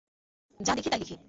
যা দেখি তাই লিখি।